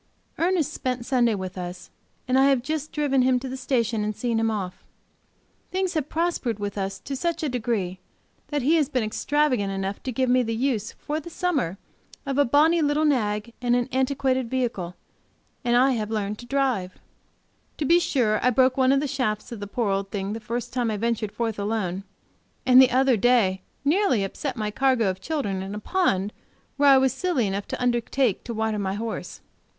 Ernest spent Sunday with us, and I have just driven him to the station and seen him safely off. Things have prospered with us to such a degree that he has been extravagant enough to give me the use, for the summer, of a bonnie little nag and an antiquated vehicle, and I have learned to drive. To be sure I broke one of the shafts of the poor old thing the first time I ventured forth alone, and the other day nearly upset my cargo of children in a pond where I was silly enough to undertake to water my horse.